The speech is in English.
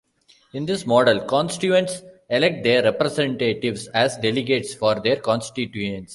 In this model, constituents elect their representatives as delegates for their constituency.